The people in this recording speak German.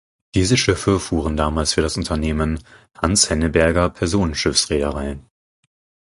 Diese Schiffe fuhren damals für das Unternehmen „Hans Henneberger Personenschiffsreederei“.